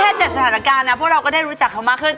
๗สถานการณ์นะพวกเราก็ได้รู้จักเขามากขึ้น